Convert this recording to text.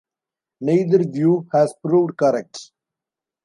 Neither view has proved correct.